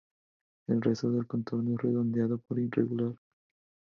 El resto del contorno es redondeado pero irregular.